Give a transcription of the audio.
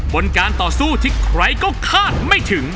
บนการต่อสู้ที่ใครก็คาดไม่ถึง